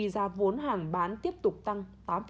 giá vốn hàng bán tiếp tục tăng